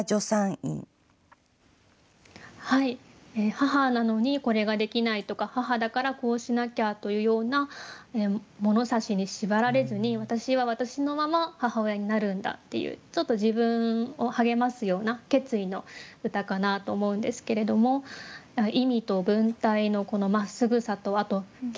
母なのにこれができないとか母だからこうしなきゃというような物差しに縛られずに私は私のまま母親になるんだっていうちょっと自分を励ますような決意の歌かなと思うんですけれども意味と文体のこのまっすぐさと結句の「矢島助産院」ですね